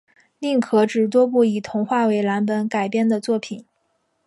另可指多部以童话为蓝本改编的作品